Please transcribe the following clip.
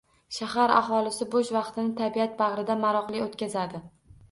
Shahar aholisi bo‘sh vaqtini tabiat bag‘rida maroqli o‘tkazadi.